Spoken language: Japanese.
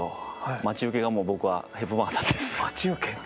待ち受けがもう僕はヘップバーンさんです。